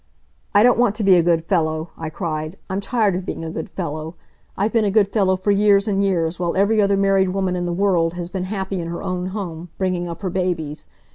"I don't want to be a good fellow," I cried. "I'm tired of being a good fellow. I've been a good fellow for years and years, while every other married woman in the world has been happy in her own home, bringing up her babies.